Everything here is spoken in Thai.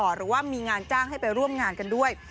หรือว่ามีงานจ้างให้ไปร่วมงานกันด้วย